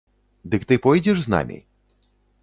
Дык ты пойдзеш з намі?